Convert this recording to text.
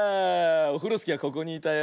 オフロスキーはここにいたよ。